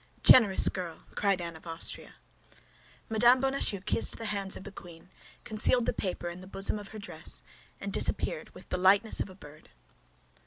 "Generous girl!" cried Anne of Austria. Mme. Bonacieux kissed the hands of the queen, concealed the paper in the bosom of her dress, and disappeared with the lightness of a bird.